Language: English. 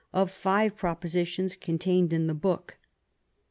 of five pro positions contained in the book.